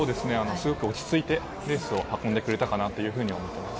すごく落ち着いてレースを運んでくれたかなというふうに思ってます。